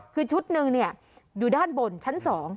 คือชุดหนึ่งอยู่ด้านบนชั้น๒